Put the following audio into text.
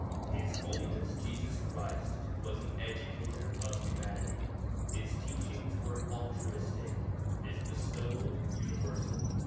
His Holiness Jesus Christ was an educator of humanity. His teachings were altruistic ; his bestowal universal.